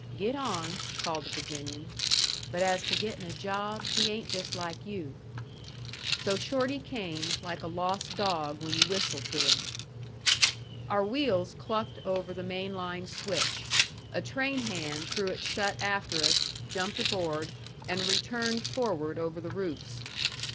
"Get on," called the Virginian. "But as to getting a job, he ain't just like you." So Shorty came, like a lost dog when you whistle to him. Our wheels clucked over the main line switch. A train hand threw it shut after us, jumped aboard, and returned forward over the roofs.